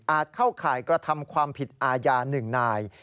เข้าข่ายกระทำความผิดอาญา๑นาย